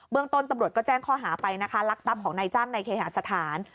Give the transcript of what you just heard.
เบื้องต้นตำรวจก็แจ้งข้อหาไปนะลักษัพของในจ้างในเคหาสถาน